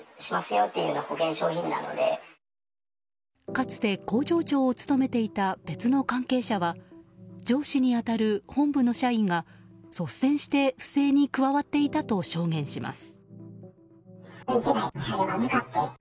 かつて工場長を務めていた別の関係者は上司に当たる本部の社員が率先して不正に加わっていたと証言します。